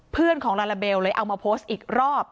เพื่อนของลาลาเบลเลยเอามาโพสต์อีกรอบ